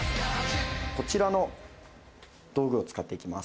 こちらの道具を使っていきます